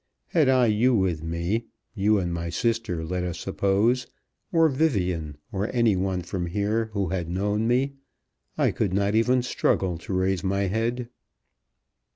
Had I you with me, you and my sister let us suppose, or Vivian, or any one from here who had known me, I could not even struggle to raise my head."